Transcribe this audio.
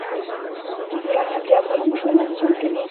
یورانیم د افغانانو ژوند اغېزمن کوي.